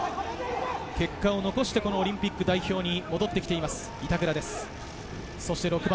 結果を残してオリンピック代表に戻ってきています、板倉です。